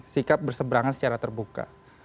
sikap bersebrangan secara terbuka